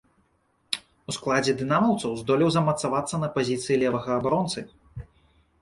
У складзе дынамаўцаў здолеў замацавацца на пазіцыі левага абаронцы.